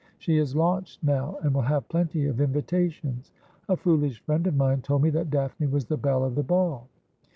She is launched now, and will have plenty of invitations. A foolish friend of mine told me that Daphne was the belle of the ball.'